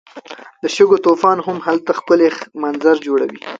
د شګو طوفان هم هلته ښکلی منظر جوړوي.